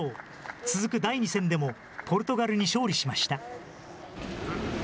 続く第２戦でも、ポルトガルに勝利しました。